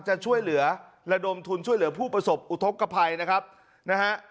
จะช่วยเหลือระดมทุนช่วยเหลือผู้ประสบอุทธกภัยนะครับนะฮะ